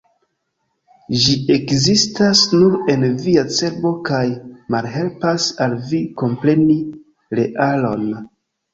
Ĝi ekzistas nur en via cerbo kaj malhelpas al vi kompreni realon.